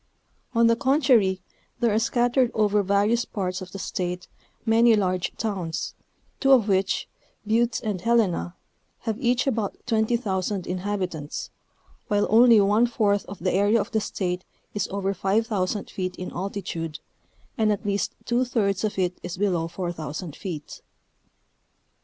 On the contrary there are scattered over various parts of the State many large towns, two of which, Butte and Helena, have each about 20,000 inhabitants, while only one fourth of the area of the State is over 5,000 feet in altitude, and at least two thirds of it is below 4,000 feet.